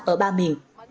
ở ba miền